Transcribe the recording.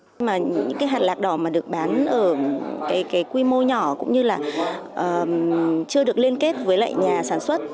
nhưng mà những cái hạt lạc đỏ mà được bán ở cái quy mô nhỏ cũng như là chưa được liên kết với lại nhà sản xuất